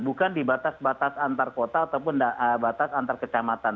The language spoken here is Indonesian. bukan di batas batas antar kota ataupun batas antar kecamatan